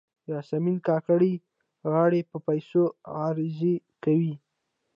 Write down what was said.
یاسمین کاکړۍ غاړې په پیسو عرضه کوي.